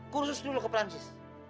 kursus dulu ke prancis